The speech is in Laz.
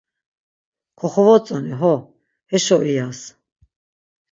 Koxovotzoni, ho heşo iyas.